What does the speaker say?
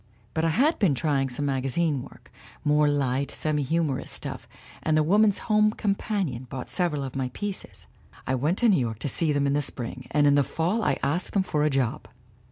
"But I had been trying some magazine work more light, semi humorous stuff, and the Woman's Home Companion bought several of my pieces. I went to New York to see them in the spring and in the fall I asked them for a job.